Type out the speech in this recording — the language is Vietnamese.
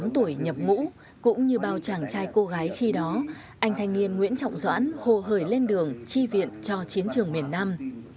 một mươi tám tuổi nhập ngũ cũng như bao chàng trai cô gái khi đó anh thanh niên nguyễn trọng doãn hồ hời lên đường tri viện cho chiến trường miền nam